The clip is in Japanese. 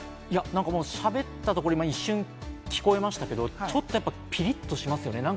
しゃべったところ、一瞬聞こえましたけど、ちょっとピリッとしますよね。